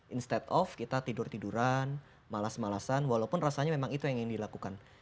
instead of kita tidur tiduran malas malasan walaupun rasanya memang itu yang ingin dilakukan